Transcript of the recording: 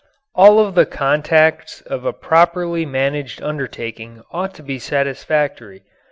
All of the contacts of a properly managed undertaking ought to be satisfactory.